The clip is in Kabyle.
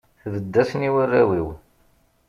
Tbedd-asen i warraw-iw.